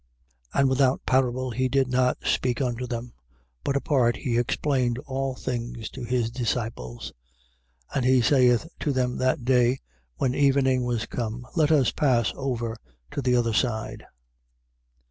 4:34. And without parable he did not speak unto them; but apart, he explained all things to his disciples. 4:35. And he saith to them that day, when evening was come: Let us pass over to the other side.